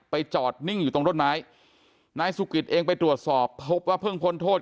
จอดนิ่งอยู่ตรงต้นไม้นายสุกิตเองไปตรวจสอบพบว่าเพิ่งพ้นโทษ